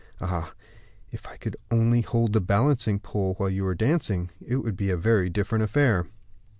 Ah! if I could only hold the balancing pole while you were dancing, it would be a very different affair."